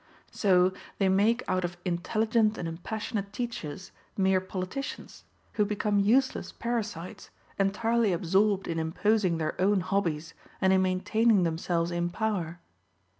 So they make out of intelligent and impassionate teachers mere politicians, who become useless parasites, entirely absorbed in imposing their own hobbies, and in maintaining themselves in power.